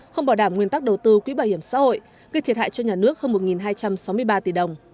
không bảo đảm nguyên tắc đầu tư quỹ bảo hiểm xã hội gây thiệt hại cho nhà nước hơn một hai trăm sáu mươi ba tỷ đồng